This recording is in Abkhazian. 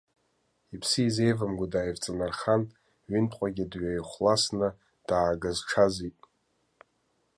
Иԥсы изеивымго дааивҵанархан, ҩынтәҟагьы дҩеихәласны даагаз-ҽазит.